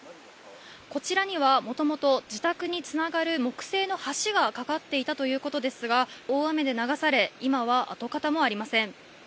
こちらにはもともと自宅につながる木製の橋がかかっていたということですが大雨で流され、今は跡形もありません。